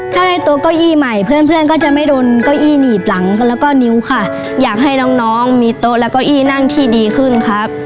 ถ้าได้โต๊ะเก้าอี้ใหม่เพื่อนเพื่อนก็จะไม่โดนเก้าอี้หนีบหลังแล้วก็นิ้วค่ะอยากให้น้องน้องมีโต๊ะและเก้าอี้นั่งที่ดีขึ้นครับ